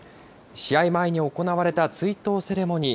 試合前に行われた追悼セレモニー。